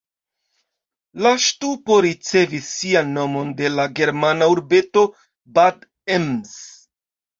La ŝtupo ricevis sian nomon de la germana urbeto Bad Ems.